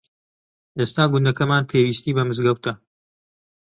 ئێستا گوندەکەمان پێویستی بە مزگەوتە.